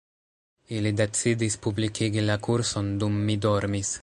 Ili decidis publikigi la kurson dum mi dormis